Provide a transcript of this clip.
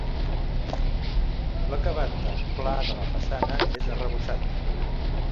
L'acabat del pla de la façana és arrebossat.